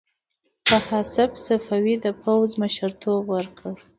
طاهاسپ صفوي د پوځ مشرتوب ورکړ.